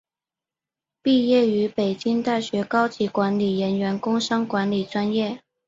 毕业于北京大学高级管理人员工商管理专业。